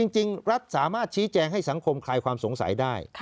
จริงรัฐสามารถชี้แจงให้สังคมคลายความสงสัยได้